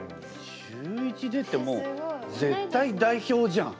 中１でってもう絶対代表じゃん。